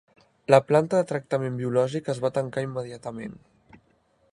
La planta de tractament biològic es va tancar immediatament.